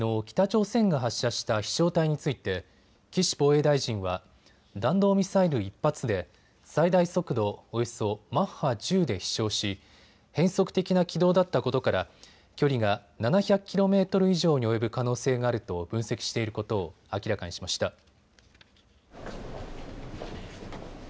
北朝鮮が発射した飛しょう体について岸防衛大臣は弾道ミサイル１発で最大速度およそマッハ１０で飛しょうし変則的な軌道だったことから距離が７００ｋｍ以上に及ぶ可能性があると分析していることを明らかにしました。